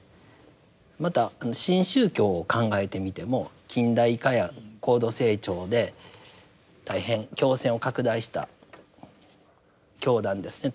また新宗教を考えてみても近代化や高度成長で大変教勢を拡大した教団ですね。